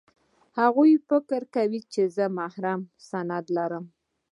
هغوی فکر کاوه چې زه محرم اسناد لرم